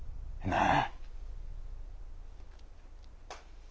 なあ！